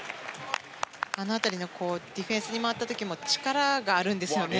あの辺りのディフェンスに回った時も力があるんですよね。